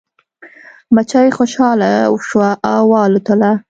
مچۍ خوشحاله شوه او والوتله.